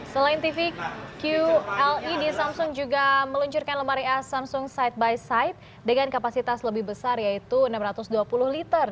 selain tv qled samsung juga meluncurkan lemari es samsung side by site dengan kapasitas lebih besar yaitu enam ratus dua puluh liter